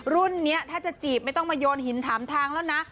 รุ่นนี้ถ้าจะจีบไม่ต้องมาโยนหินถามทางแล้วนะ